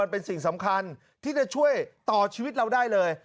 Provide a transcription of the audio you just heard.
เป็นสิ่งสำคัญที่จะช่วยต่อชีวิตเราได้เลย